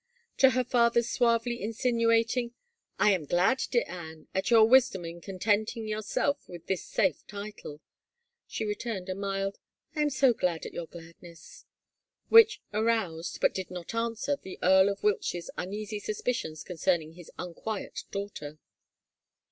To her father's suavely insinuating, " I am glad, dear Anne, at your wisdom in contenting yourself with this safe title," she returned a mild, " I am so glad at your gladness," which aroused, but did not answer the Earl of Wiltshire's tmeasy suspicions concerning his unquiet daughter.